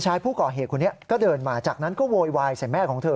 ชายผู้ก่อเหตุคนนี้ก็เดินมาจากนั้นก็โวยวายใส่แม่ของเธอ